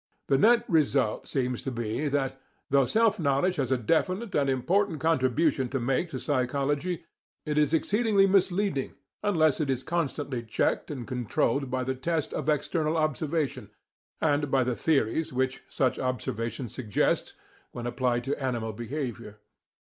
The net result seems to be that, though self knowledge has a definite and important contribution to make to psychology, it is exceedingly misleading unless it is constantly checked and controlled by the test of external observation, and by the theories which such observation suggests when applied to animal behaviour.